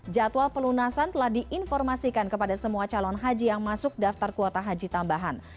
jadwal pelunasan telah diinformasikan kepada semua calon haji yang masuk daftar kuota haji tambahan